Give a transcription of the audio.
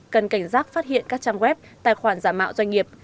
cần cảnh giác phát hiện các trang web tài khoản giảm ạo doanh nghiệp